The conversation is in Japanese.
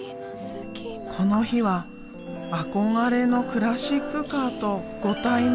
この日は憧れのクラシックカーとご対面。